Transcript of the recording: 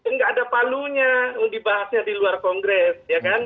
nggak ada palunya yang dibahasnya di luar kongres